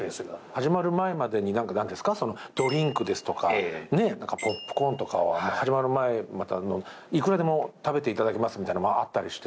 始まる前にドリンクですとかポップコーンとかを始まる前、いくらでも食べていただけますみたいなのもあったりして。